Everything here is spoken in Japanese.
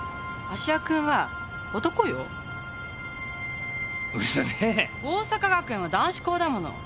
桜咲学園は男子校だもの。